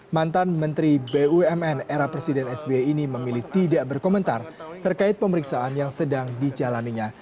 mantan menteri bumn era presiden sbi ini memilih tidak berkomentar terkait pemeriksaan yang sedang dijalaninya